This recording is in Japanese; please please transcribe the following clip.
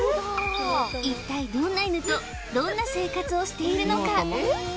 一体どんな犬とどんな生活をしているのか？